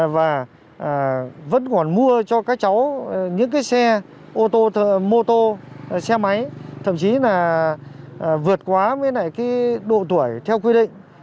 và vẫn còn mua cho các cháu những cái xe mô tô xe máy thậm chí là vượt quá với độ tuổi theo quy định